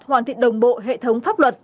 hoàn thiện đồng bộ hệ thống pháp luật